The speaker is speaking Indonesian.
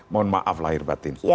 mohon maaf lahir batin